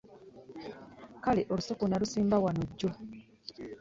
Kale olusuku nalusimba wano jjo.